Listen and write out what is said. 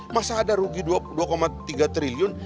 masa ada rugi dua tiga triliun